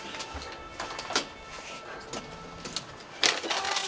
はい。